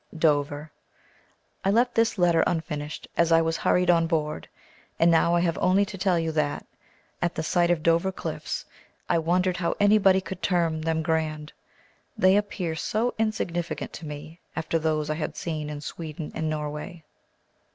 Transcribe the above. DOVER. I left this letter unfinished, as I was hurried on board, and now I have only to tell you that, at the sight of Dover cliffs, I wondered how anybody could term them grand; they appear so insignificant to me, after those I had seen in Sweden and Norway.